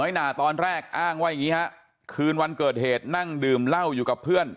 หนาตอนแรกอ้างว่าอย่างนี้ฮะคืนวันเกิดเหตุนั่งดื่มเหล้าอยู่กับเพื่อน